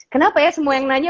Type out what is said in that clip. kenapa ya semua yang nanya